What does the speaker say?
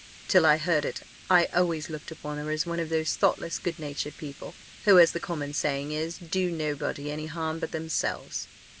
Till I heard it, I always looked upon her as one of those thoughtless, good natured people, who, as the common saying is, do nobody any harm but themselves."